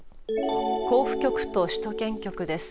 甲府局と首都圏局です。